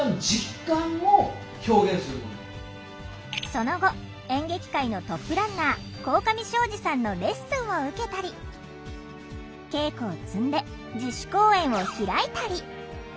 その後演劇界のトップランナー鴻上尚史さんのレッスンを受けたり稽古を積んで自主公演を開いたり。